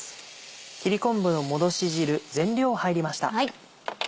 切り昆布のもどし汁全量入りました。